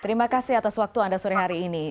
terima kasih atas waktu anda sore hari ini